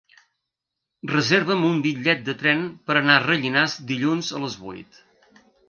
Reserva'm un bitllet de tren per anar a Rellinars dilluns a les vuit.